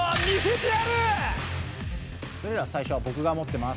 それでは最初はぼくが持ってます。